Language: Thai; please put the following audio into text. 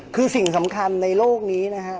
คือสิ่งสำคัญในโลกนี้นะฮะ